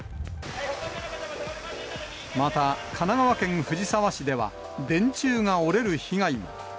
また、神奈川県藤沢市では、電柱が折れる被害も。